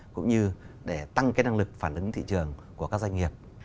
cũng như để tăng cái năng lực phản ứng thị trường của các doanh nghiệp